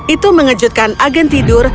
itu mengejutkan agen tidur